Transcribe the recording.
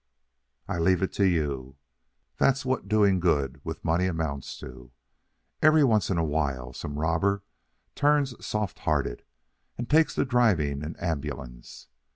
I leave it to you. That's what doing good with money amounts to. Every once in a while some robber turns soft hearted and takes to driving an ambulance.